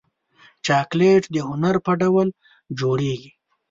چاکلېټ د هنر په ډول جوړېږي.